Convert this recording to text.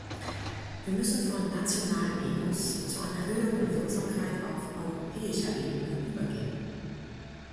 Wir müssen von nationalen Egos zu einer höheren Wirksamkeit auf europäischer Ebene übergehen.